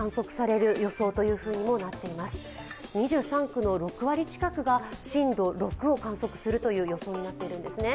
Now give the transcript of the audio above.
２３区の６割近くが震度６を観測するという予想になっているんですね。